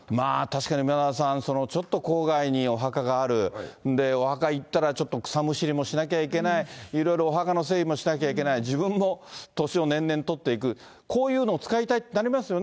確かに梅沢さん、ちょっと郊外にお墓がある、お墓行ったらちょっと草むしりもしなきゃいけない、いろいろお墓の整備もしなきゃいけない、自分も年を年々取っていく、こういうのを使いたいってなりますよ